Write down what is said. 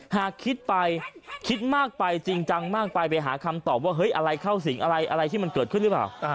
หากคิดไปคิดมากไปจริงจังมากไปไปหาคำตอบว่าเฮ้ยอะไรเข้าสิงอะไรอะไรที่มันเกิดขึ้นหรือเปล่า